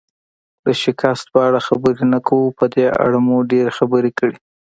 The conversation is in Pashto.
د شکست په اړه خبرې نه کوو، په دې اړه مو ډېرې خبرې کړي.